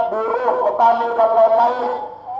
buruh petani dan lain lain